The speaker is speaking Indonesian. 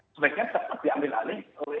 sebaiknya cepat diambil alih